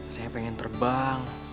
saya pengen terbang